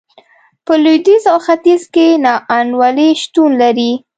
په لوېدیځ او ختیځ کې نا انډولي شتون لري.